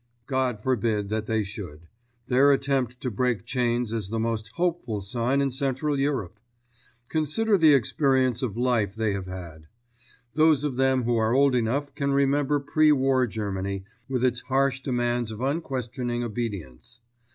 God forbid that they should; their attempt to break chains is the most hopeful sign in Central Europe. Consider the experience of life they have had. Those of them who are old enough can remember pre war Germany, with its harsh demands of unquestioning obedience.